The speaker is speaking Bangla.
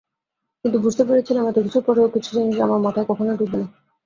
কিন্তু বুঝতে পেরেছিলাম এতকিছুর পরেও কিছু জিনিস আমার মাথায় কখনোই ঢুকবে না।